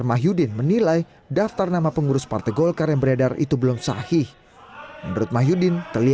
momen pembentukan kabinet ini